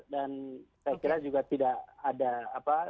dan saya kira juga tidak ada apa ya